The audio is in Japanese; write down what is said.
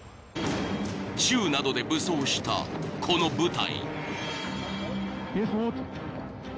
［銃などで武装したこの部隊］